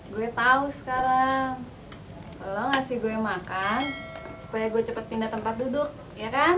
gue tahu sekarang tolong ngasih gue makan supaya gue cepet pindah tempat duduk ya kan